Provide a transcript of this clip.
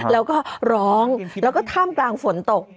แล้วก็ร้องแล้วก็ท่ามกลางฝนตก